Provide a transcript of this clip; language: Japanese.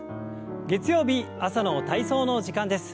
月曜日朝の体操の時間です。